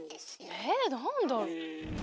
え何だろう？